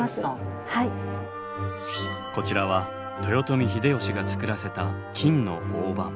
こちらは豊臣秀吉が造らせた金の大判。